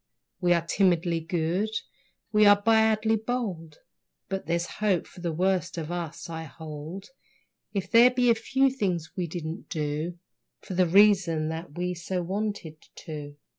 We are timidly good, we are badly bold, But there's hope for the worst of us, I hold, If there be a few things we didn't do, For the reason that we so wanted to.